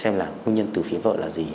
xem là nguyên nhân từ phía vợ là gì